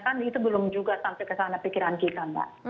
kan itu belum juga sampai kesana pikiran kita mbak